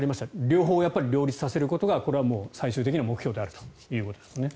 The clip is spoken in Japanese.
両方両立させることがこれは最終的には目標であるということですね。